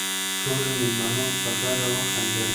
ټولو مېلمنو په ګډه وخندل.